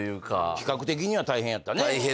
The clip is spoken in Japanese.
企画的には大変やったね。